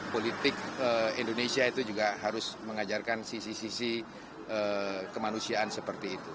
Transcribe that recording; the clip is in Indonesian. politik indonesia itu juga harus mengajarkan sisi sisi kemanusiaan seperti itu